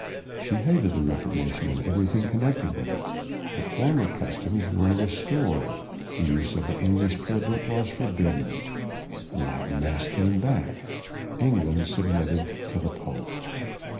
She hated the Reformation and everything connected with it. The former customs were restored. The use of the English prayer book was forbidden. The Latin mass came back. England submitted to the pope.